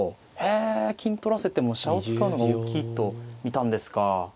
へえ金取らせても飛車を使うのが大きいと見たんですか。